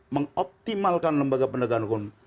mengoptimalkan lembaga pendagang hukum